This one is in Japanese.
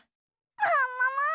ももも！